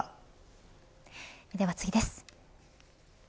では次です。